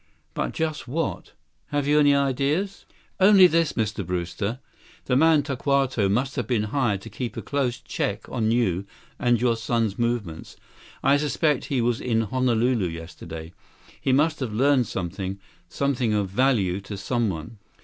But just what? Have you any ideas?" "Only this, Mr. Brewster. The man Tokawto must have been hired to keep a close check on your and your son's movements. I suspect he was in Honolulu yesterday. He must have learned something—something of value to someone."